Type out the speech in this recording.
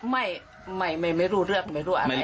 ไม่ไม่ไม่ไม่รู้เรื่องไม่รู้อะไร